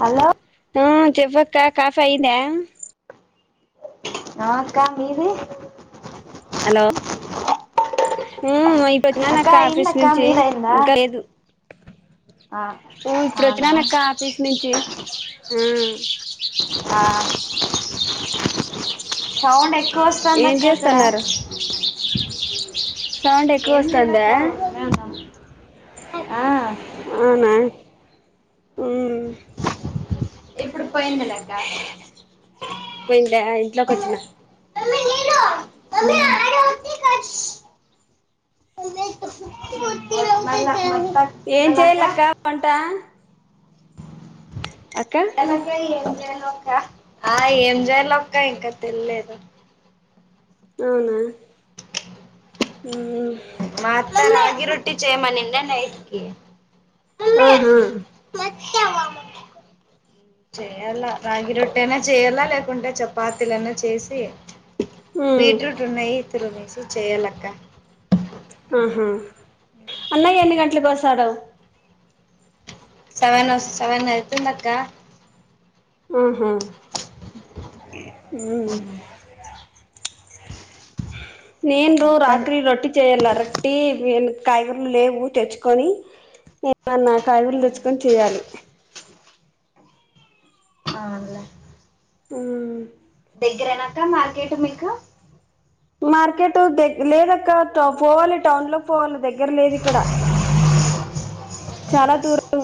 Hello ఆ చెప్పక్క coffee అయిందా ఆ అక్క మీది హలో మ్ ఇప్పుడొచ్చినా అక్క నక్క ఆఫీస్ అయిందక్క నుంచి మీదయిందా ఇంక లేదు. ఆ ఊ ఇప్పుడు అవునా వచ్చినానక్క ఆఫీస్ నుంచి ఆ ఆ సౌండ్ ఏం ఎక్కువస్తుందక్క అక్కడ చేస్తున్నారు సౌండ్ ఎక్కువ ఏం వస్తుందా లేదక్క ఉర్కనే ఉన్నాము. ఆ అవునా మ్ ఇప్పుడు పోయిందిలేక్క పోయింద్యా ఇంట్లోకొచ్చిన మళ్ళా మల్ ఏం చెయ్యలక్క వంట అక్క చేయాలక్క ఏం చేయాలో అక్క ఆ ఏం జేయ్లోక్క ఇంకా తెల్లేదు. అవునా ఊ మా అత్త రాగి రొట్టి చేయమనిండే నైట్కీ ఆహా! చేయల్ల రాగి రొట్టయినా చేయల్ల లేకుంటే చపాతీలన్నా చేసి ఊ బీట్రూట్ ఉన్నాయి తురుమేసి చేయాలక్క ఆహా! అన్నయ్య ఎన్ని గంట్లకు వస్తాడు. సెవెన్ సెవెనయితుందక్క. ఆహా! మ్ నేను సెవెన్ కూడ్ అయితది రాత్రి రొట్టి చేయల్ల రొట్టి [unintelligible] కాయగుర్లు లేవు తెచ్చుకొని ఏమన్నా కాయగుర్లు తెచ్చుకొని చెయాలి. అవున్లేే. ఉమ్. దగ్గరేనా అక్క మార్కెట్ మీకు మార్కెటు ద లేదక్క తొ పోవాలి టౌన్ లోకి పోవాలి దగ్గర్లేదిక్కడ అ చాలా దూరం.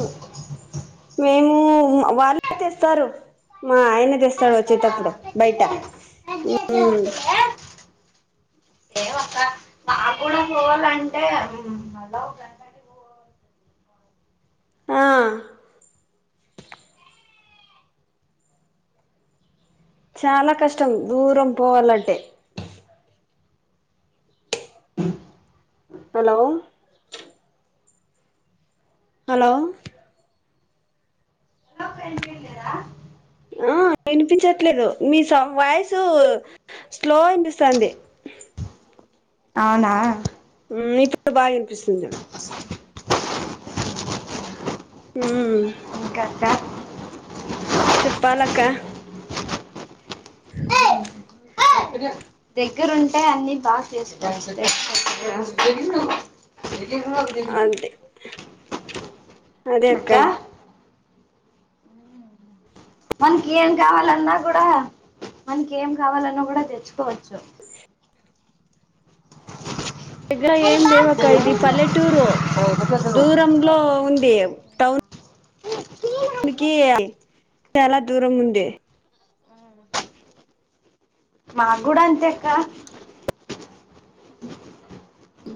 మేము వాళ్ళే తెస్తారు మా ఆయన తెస్తాడు వచ్చేటప్పుడు బయట లేవక్క మాక్కూడ పోవల్లంటే మళ్ళా ఒ గంటకి పోవ ఆ చాలా కష్టం దూరం పోవాలంటే హలో హలో ఆ వినిపించట్లేదు. మీ స వాయిసు స్లో ఇనిపిస్తాంది. అవునా హ్మ్ ఇప్పుడు బాగా వినిపిస్తుంది హ్మ్ ఇంకా అక్క చెప్పాలక్క దెగ్గరుంటే అన్ని బాగా చేస్తారస్సలు అంతే [unintelligible] [unintelligible] అదే అక్క మనకి ఏం కావాలన్నా కూడా మనకి ఏం కావాలన్న కూడా తెచ్చుకోవచ్చు దగ్గర ఏం లేవక్క ఇది పల్లెటూరు దూరం లో ఉంది టౌన్ నికీ చాలా దూరంగుంది మాగూడ అంతే అక్క హ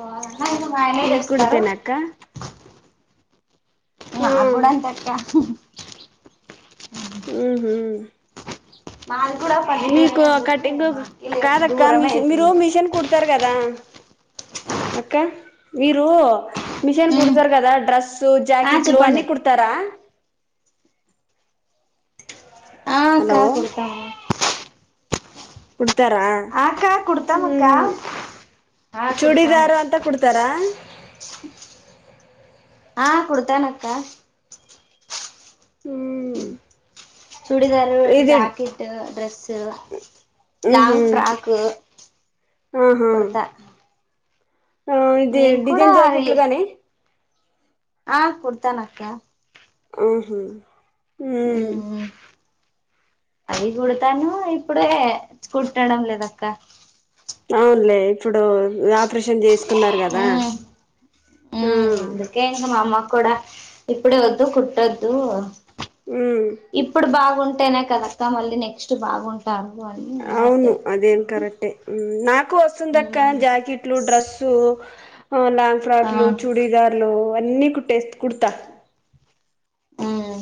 వాళ్ళన్నా ఇంకా మా ఆయనే మీ చేస్తారు కుడితేనా అక్క మా కూడా అంతే అక్క మ్మ్ హూ మా మీకు కటింగ్ లే- కాదక్క దూరమే మిషన్ మీరు అవుతుంది మిషన్ కుడతారు కదా అక్క మీరూ మిషన్ ఉమ్. కుడతారు కదా డ్రెస్సు ఆ జాకెట్లు చెప్పండి అన్ని కుడతారా ఆ అక్క హలో కుడతాము కుడతారా ఆ అక్క కుడతాం అక్క ఆ కుడతాము చుడీదారు అంతా కుడతారా ఆ కుడతానక్కా హ్మ్ చుడీదారు జాకెట్టు డ్రెస్సు మ్ హు లాంగ్ ఫ్రాకు ఆహా ఆ ఇది నేను కూడా డిజైన్ అవి జాకెట్లు గాని ఆ కుడతానక్కా ఆహా హ్మ్ అది కుడతాను ఇప్పుడే కుట్టడం లేదక్క అవునులే ఇప్పుడు ఆపరేషన్ చేసుకున్నారు కదా మ్మ్ ఆ మ్మ్ అందుకే ఇంకా మా అమ్మ కూడా ఇప్పుడే వద్దు కుట్టొద్దు మ్ ఇప్పుడు బాగుంటేనే కదక్క మళ్ళీ నెక్స్ట్ బాగుంటారు అని అమ్మా అవును అదేం కరెక్టే నాకు వస్తుందక్క మ్మ్ జాకెట్లు డ్రస్సు ఆ లాంగ్ ఆ ఫ్రాక్లు చుడీదార్లు అన్నీ కుట్టే కుడతా హ్మ్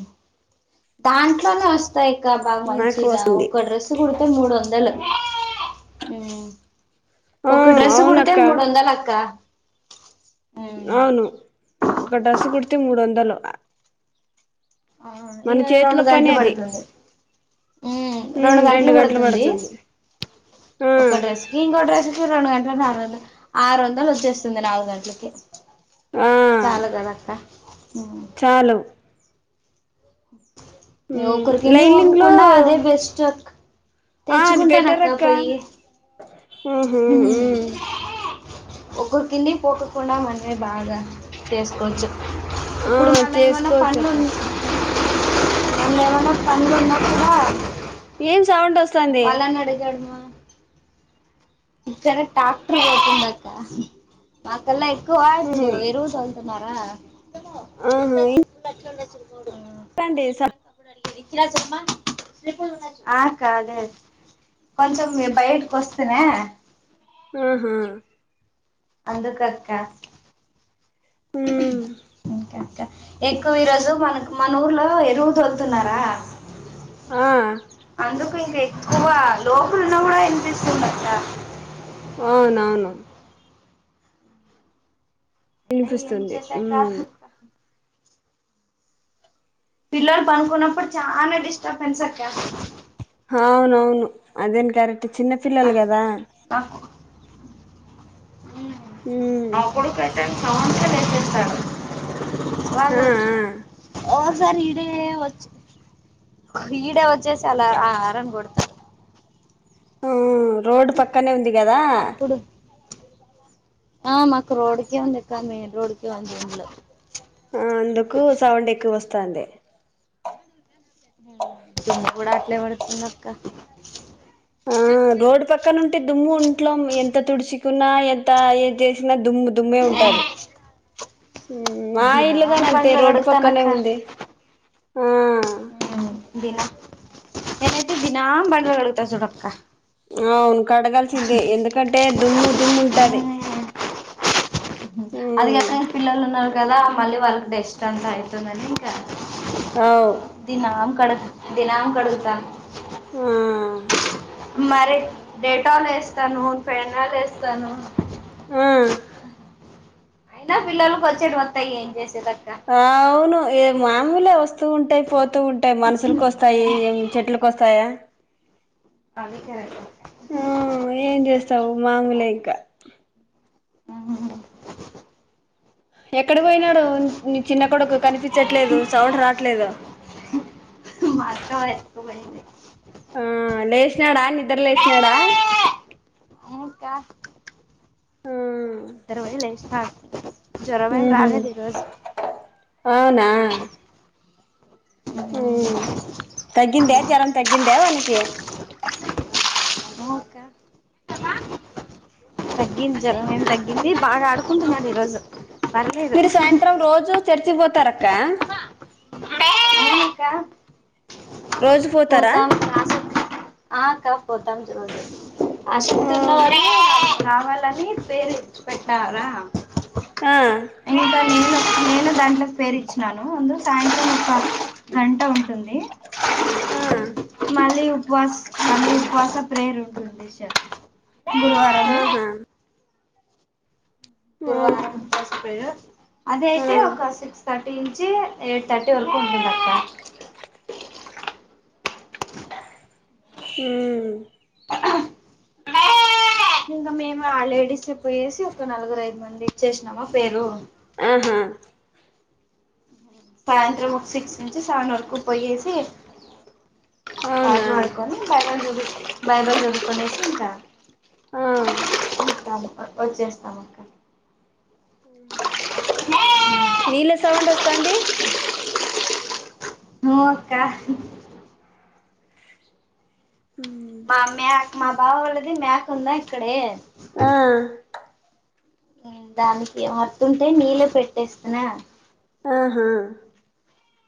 దాంట్లోనే వస్త స్తాయ్ కదా నాకు మంచిగా వస్తుంది ఒక డ్రెస్ కుడితే మూడొందలు ఆ ఒక డ్రెస్ కుడితే అవునక్క మూడొందల్ అక్క మ్మ్ అవును ఒక డ్రెస్ కుడితే మూడొందలు అవును ఇగ రెండు గంటలు అది పడుతుంది హ్మ్ రెండు గంటలు పడుతుంది ఆ ఒక డ్రెస్ కి ఇంకో డ్రెస్ కి రెండు గంట నాలుగు వందల్ ఆరు వందలు వచ్చేస్తుంది నాలుగు గంటలకి ఆ చాలుగదక్క చాలు ఉమ్ ఒకొర్కిందికి లైనింగ్ లో పోకోకుండ అదే బెస్ట్ ఆ అది బెటర్ తెచ్చుకుంటానక్క అక్క పోయి ఒక్కొ కింది పోకోకుండా మనమే బాగా చేసుకోచ్చు ఆ ఇప్పుడు మళా ఏమన్నా చేసుకోవచ్చు అక్క [unintelligible] ఇంగేమన్నా పన్లు వున్న కూడ సౌండు వాళ్ళని [unintelligible] ఇక్కనే ట్రాక్టర్ [unintelligible] మాకలా ఎక్కువ ఇప్పుడు ఉహు ఎరువు తోలుతున్నార ఆహా [unintelligible] ఆ క అదే కొంచెం బయటకి వస్తి నా ఆహా అందుకక్క హు ఇంకా ఎక్కువ ఈ రోజు మన మన ఊర్లో ఎరువు తోలుతున్నారా ఆ అందుకు ఇంక లోపల ఉన్న కూడ వినిపిస్తుంది క అవునవును అయినా ఏం ఇనిపిస్తుంది ఉ చేసాక పిల్లలు పనుకున్నప్పుడు చాన డిస్టర్బెన్స్ అక్క అవునవును అదేని కరెక్ట్ చిన్న నా పిల్లలు కదా నాకు ఉమ్ నా కొడుకు అయితే సౌండ్స్ కే లేచేస్తాడు ఆ ఆ [unintelligible] ఇడే వచ్ ఈడే వచ్చేసి అలా ఆరన్ కొడతారు ఊ ఆ రోడ్డు పక్కనే ఉంది కదా అప్పుడు ఆ మాకు రోడుకే వందిక్కా మెయిన్ రోడ్కే వుంది ఇండ్లు ఆ అందుకు సౌండ్ ఎక్కువ వస్తంది దుమ్ము కూడ అట్లే పడుతుంది అక్క ఆ రోడ్డు పక్కనుంటే దుమ్ము ఇంట్లో ఎంత తుడుచుకున్నా ఎంత ఏం చేసి దుమ్ము దుమ్మే ఉంటది మా దినం ఇల్లుగాని అంతే బండ్లు రోడ్డు పక్కనే కడుగుతానక్క ఉంది ఆ నేనైతే దినము బండ్లు కడుగుత చుడక్క అవును కడగల్సిందే ఎందుకంటే దుమ్ము దుమ్ము ఉంటది చూడక్క అది ఉమ్ గాక పిల్లలు ఉన్నారు కదా మళ్ళీ వాళ్ళకి డెస్ట్ అంతా అవుతుంది అని ఇంకా అవు దినం కడు దినాం కడుగుతా ఆ మరి డేటాలు వేస్తాను పెనాల్ వేస్తాను ఆ అయినా పిల్లలలకు వచ్చేటివి వత్తాయి ఏం చేస్ అవును ఏ మామూలే వస్తూ ఉంటాయి పోతూ ఉంటాయి మనుషులకి వస్తాయి ఏ చెట్లు కొస్తయ అది కరెక్ట్ ఆ ఏం చేస్తావు మామూలే ఇంక ఆ ఎక్కడి పోయినాడు చిన్న కొడుకు కనిపి. చెట్లేదు సౌండ్ రాట్లేదు. మా అక్క ఎత్తుకుపోయింది లేసినాడ నిద్రలేసినాడా. [unintelligible] ఇద్దరు పోయి లే, ఆ. జ్వరం మేం ఉహు రాలేదు ఈరోజు. [unintelligible] హ్మ్, తగ్గిందే జ్వరం తగ్గిందే వానికి. ఓకా [unintelligible] తగ్గింది జ్వరం ఏం మ్ తగ్గింది బాగా ఆడుకుంటున్నాడు ఈ రోజు. మీరు సాయంత్రం రోజు చర్చికి పోతార అక్క. అక్క [inaudible] [unintelligible] పోతారా ఆ అక్క ఆ [unintelligible] కావాలని పేరెంట్స్ పెట్టారా. ఆ [inaudible] నేను దాంట్లో పేరు ఇచ్చినాను అందు సాయంత్రం ఒక గంట ఉంటుంది. హా. [unintelligible] గురువారము. ఆహా ఆ గురువారం [unintelligible] అది ఆ అయితే ఒక సిక్స్ థర్టీ. [unintelligible] ఎయిట్ థర్టీ వరకు ఉంటుంది అక్క హ్మ్. ఇంకా మేము ఆ లేడీస్కి పోయేసి ఒక నలుగురు ఐదు మంది ఇచ్చేసినామా పేరు. ఆహా. సాయంత్రం సిక్స్ నుంచి సెవెన్ వరకు పోయేసి. అవునా [unintelligible] ఆ. [unintelligible] వచ్చేస్తాము. నీళ్ల సౌండ్ వస్తాంది. నో అక్క. మా మేక్ మా బావ వాళ్ళది మేక ఉందా ఇక్కడే. ఆ. దానికి వతుంటే నీళ్లు పెట్టేస్తునా. ఆహా.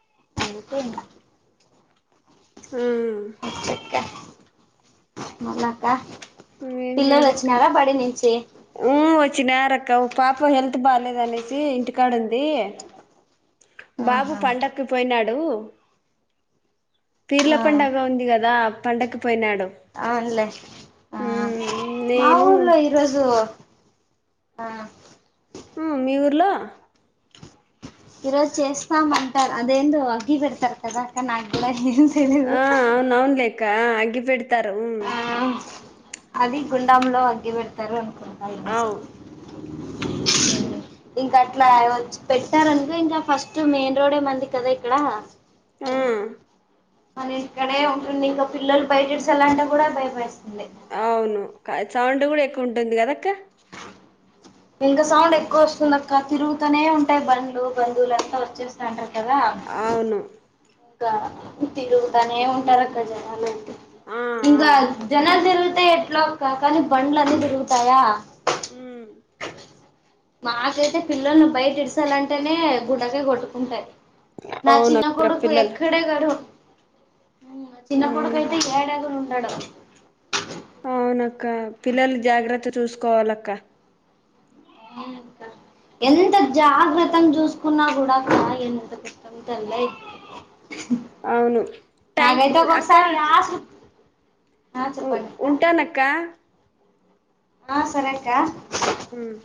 [inaudible] హూ. [unintelligible] ఏం పిల్లలు లేదక్క వచ్చినారా బడి నుంచి. ఊ వచ్చినారక్క పాప హెల్త్ బాలేదు. అనేసి ఇంటికాడు ఉంది. బాబు పండక్కి పోయినాడు. పీర్ల ఆహా పండగ ఉంది. కదా పండక్కు పోయినాడు. అవునులే, ఆ ఉమ్ మా నేను ఊర్లో ఈరోజు. ఆ. హ్మ్ ఊర్లో. ఈరోజు చేస్తాంమ్ అంటారు. అదేందో అగ్గిపెట్టె అంటారు అక్క నాక్కూడా. [unintelligible] ఆ అవునవునులేక్క ఆ అగ్గి పెడతారు. మ్మ్ ఆ అది గుండాంలో అగ్గి పెడతారు అనుకుంటా ఎన్నో అవు సార్. ఇంకా అట్లా పెట్టారనుకో ఇంకా ఫస్ట్ మెయిన్ రోడే మంది కదా ఇక్కడ? హా అని ఇక్కడే ఉంటుంది ఇంకా పిల్లల్ బయటడిసలాంటే కూడా భయమేస్. అవును సౌండ్ కూడా ఎక్కువుంటుంది కదక్క ఇంకా సౌండ్ ఎక్కువ వస్తుంది అక్క తిరుగుతనే ఉంటాయి. బండ్లు, బంధువులంతా వచ్చేస్తాంటా. కదా అవును ఇంకా తిరుగుతనే ఉంటారు అక్క జనాలయితె ఆ ఆ ఇంకా జనాలు జరుగితే ఎట్లోక్క కానీ బండ్లన్నీ తిరుగుతాయా ఉమ్ మాకైతే పిల్లల్ని బైటిస్సలంటేనే గు [unintelligible] కొట్టుకుంటాయి నా చిన్న అవునక్క కొడుకు పిల్లలు ఎక్కడే గా [unintelligible] నా చిన్న కొడుకు అయితే ఉమ్ ఏడేగని ఉండడు. అవునక్క పిల్లల్ని జాగ్రత్త చూసుకోవాలక్క వునుక్క ఎంత జాగ్రత్తం చూసుకున్నా కూడాక్క ఎంత కష్టం తల్లై. అవును టైం నాగైతే అక్క ఒక్కొక్కసారి యసుర్ ఆ చెప్పండిక్క ఉంటానక్క ఆ సరేక్క ఉమ్